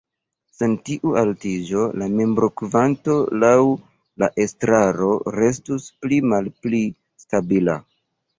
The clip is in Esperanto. Sen tiu altigo, la membrokvanto laŭ la estraro restus pli-malpli stabila.